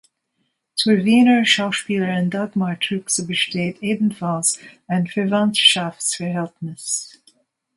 Zur Wiener Schauspielerin Dagmar Truxa besteht ebenfalls ein Verwandtschaftsverhältnis.